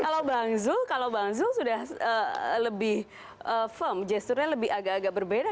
kalau bang zul sudah lebih firm gesturnya lebih agak agak berbeda